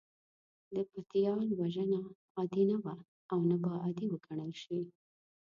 د پتيال وژنه عادي نه وه او نه به عادي وګڼل شي.